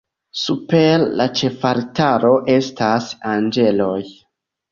Super la ĉefaltaro estas anĝeloj.